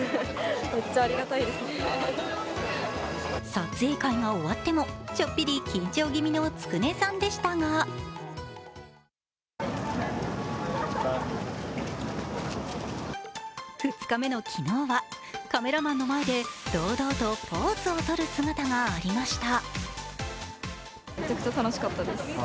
撮影会が終わってもちょっぴり緊張気味のつくねさんでしたが２日目の昨日は、カメラマンの前で堂々とポーズをとる姿がありました。